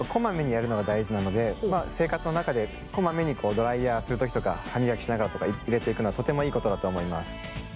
生活の中でこまめにドライヤーする時とか歯磨きしながらとか入れていくのはとてもいいことだと思います。